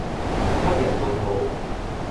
黑人問號